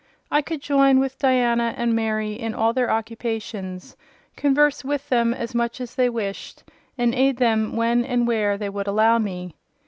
I could join with Diana and Mary in all their occupations; converse with them as much as they wished, and aid them when and where they would allow me.